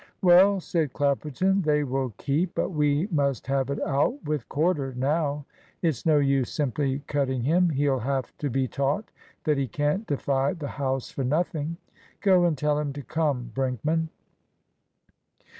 "Well," said Clapperton, "they will keep; but we must have it out with Corder now. It's no use simply cutting him; he'll have to be taught that he can't defy the house for nothing. Go and tell him to come, Brinkman."